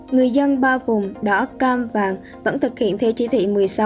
người dân ba vùng đỏ cam vàng vẫn thực hiện theo chỉ thị một mươi sáu